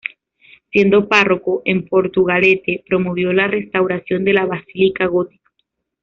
Siendo párroco en Portugalete promovió la restauración de la basílica gótica.